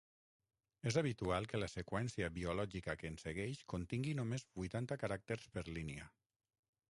És habitual que la seqüència biològica que en segueix contingui només vuitanta caràcters per línia.